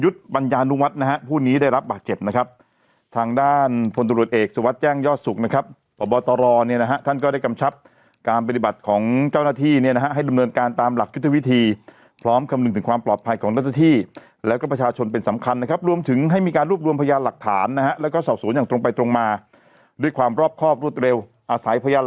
ตรอเนี่ยนะฮะท่านก็ได้กำชับการบริบัติของเจ้าหน้าที่เนี่ยนะฮะให้ดำเนินการตามหลักยุทธวิธีพร้อมกำลุงถึงความปลอดภัยของรัฐที่แล้วก็ประชาชนเป็นสำคัญนะครับรวมถึงให้มีการรูปรวมพยาหลักฐานนะฮะแล้วก็ส่อสูญอย่างตรงไปตรงมาด้วยความรอบครอบรวดเร็วอาศัยพยาหล